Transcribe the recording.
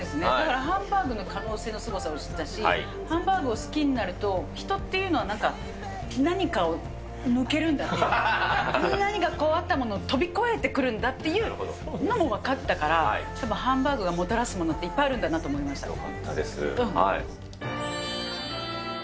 ハンバーグの可能性のすごさも知ったし、ハンバーグを好きになると、人っていうのは、なんか、何かを抜けるんだという、何かあったものを飛び越えてくるんだっていうのも分かったから、ちょっとハンバーグがもたらすものって、いっぱいあるんだなと思知っていましたか？